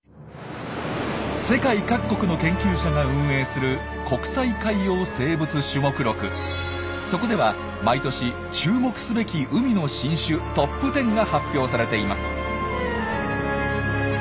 世界各国の研究者が運営するそこでは毎年「注目すべき海の新種トップ１０」が発表されています。